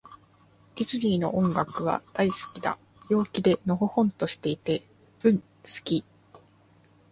ディズニーの音楽は、大好きだ。陽気で、のほほんとしていて。うん、好き。